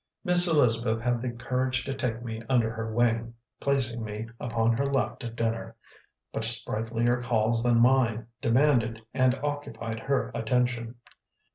Miss Elizabeth had the courage to take me under her wing, placing me upon her left at dinner; but sprightlier calls than mine demanded and occupied her attention.